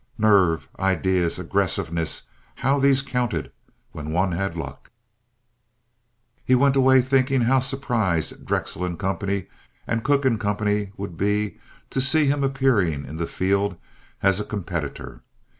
Nerve, ideas, aggressiveness, how these counted when one had luck! He went away thinking how surprised Drexel & Co. and Cooke & Co. would be to see him appearing in the field as a competitor.